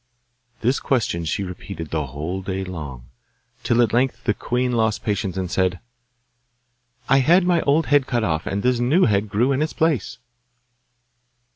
This question she repeated the whole day long, till at length the queen lost patience and said: 'I had my old head cut off, and this new head grew in its place.